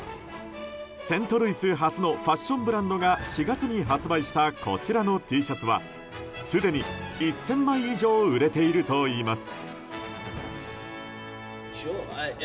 セントルイス発のファッションブランドが４月に発売したこちらのＴシャツはすでに１０００枚以上売れているといいます。